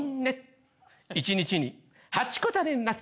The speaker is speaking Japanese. １日に８個食べます。